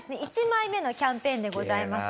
１枚目のキャンペーンでございます。